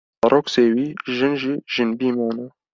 zarok sêwî, jin jî jinbî mane.